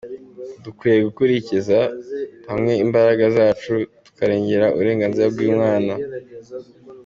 Dukwiye guhuriza hamwe imbaraga zacu tukarengera uburenganzira bw’umwana”.